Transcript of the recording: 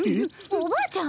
おばあちゃん？